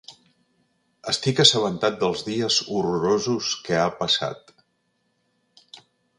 Estic assabentat dels dies horrorosos que ha passat.